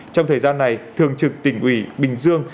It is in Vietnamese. trong thời gian này thường trực tỉnh ủy bình dương